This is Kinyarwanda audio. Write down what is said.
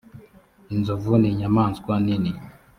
inzovu ninyamaswa nini.